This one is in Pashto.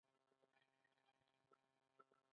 ونې سیوری جوړوي